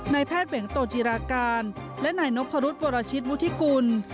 แพทย์เหวงโตจิราการและนายนพรุษวรชิตวุฒิกุล